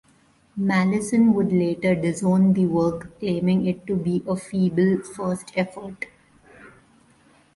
Malleson would later disown the work claiming it to be a feeble first effort.